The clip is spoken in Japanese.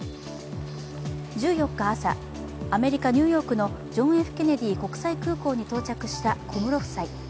１４日朝、アメリカ・ニューヨークのジョン・Ｆ・ケネディ国際空港に到着した小室夫妻。